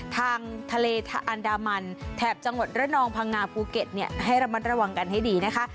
ทางทะเลอันดามันแถบจังหวัดระนองพังงาภูเก็ตให้ระมัดระวังกันให้ดีนะคะ